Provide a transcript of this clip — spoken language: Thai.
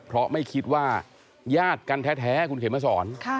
เพราะไม่คิดว่าญาติกันแท้คุณเขียนมาสอน